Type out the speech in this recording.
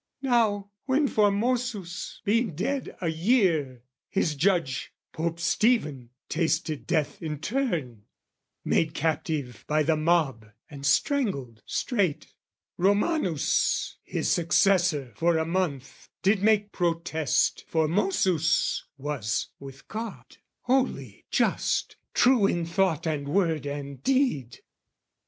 "Now when, Formosus being dead a year, "His judge Pope Stephen tasted death in turn, "Made captive by the mob and strangled straight, "Romanus, his successor for a month, "Did make protest Formosus was with God, "Holy, just, true in thought and word and deed.